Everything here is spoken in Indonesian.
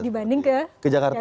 dibanding ke jakarta